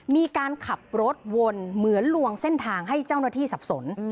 มีการขับรถวนเหมือนลวงเส้นทางให้เจ้าหน้าที่สับสน